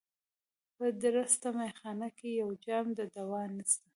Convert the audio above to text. په درسته مېخانه کي یو جام د دوا نسته